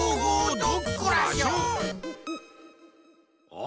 あ！